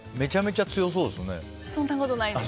そんなことないです。